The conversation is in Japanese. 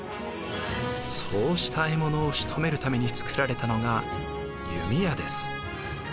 そうした獲物をしとめるために作られたのが弓矢です。